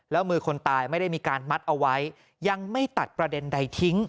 แล้วมือคนตายไม่ได้มีการมัดเอาไว้ยังไม่ตัดประเด็นใดทิ้ง